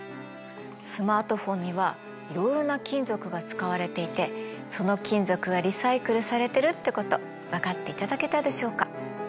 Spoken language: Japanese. スマートフォンにはいろいろな金属が使われていてその金属はリサイクルされてるってこと分かっていただけたでしょうか。